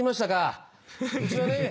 うちはね